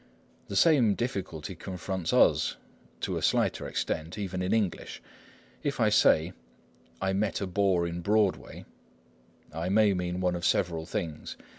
The same difficulty confronts us, to a slighter extent, even in English. If I say, "I met a bore in Broadway," I may mean one of several things.